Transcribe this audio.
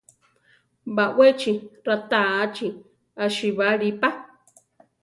Baʼwéchi ratáachi asíbali pa.